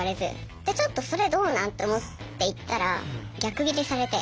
でちょっと「それどうなん！」と思って言ったら逆ギレされて。